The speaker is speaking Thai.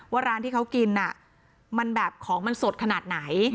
ว่าร้านที่เขากินมันแบบของมันสดขนาดไหน